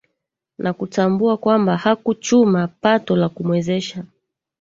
Na kutambua kwamba hakuchuma pato la kumwezesha